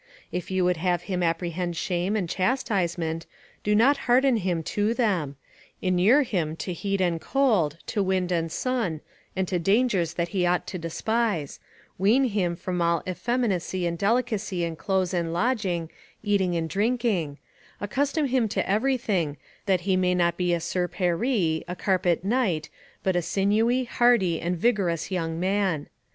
If you would have him apprehend shame and chastisement, do not harden him to them: inure him to heat and cold, to wind and sun, and to dangers that he ought to despise; wean him from all effeminacy and delicacy in clothes and lodging, eating and drinking; accustom him to everything, that he may not be a Sir Paris, a carpet knight, but a sinewy, hardy, and vigorous young man.